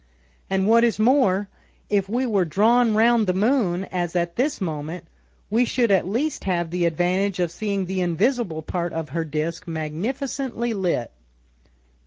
And what is more, if we were drawn round the moon, as at this moment, we should at least have the advantage of seeing the invisible part of her disc magnificently lit."